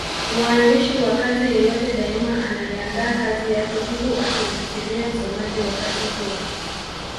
Waandishi wa kazi yeyote daima anaiandaa kazi yake huku akimfikiria msomaji wa kazi hiyo.